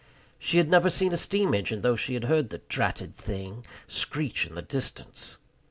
She had never seen a steam engine, though she had heard "the dratted thing" screech in the distance.